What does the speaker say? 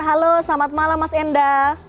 halo selamat malam mas enda